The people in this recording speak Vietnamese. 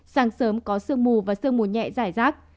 sáng sớm có sương mù và sương mù nhẹ giải rác